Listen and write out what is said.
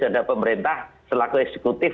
ada pemerintah selaku eksekutif